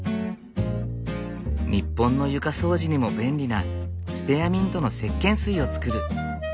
日本の床掃除にも便利なスペアミントのせっけん水を作る。